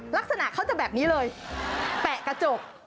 ลักษณะเขาจะแบบนี้เลยแปะกระจก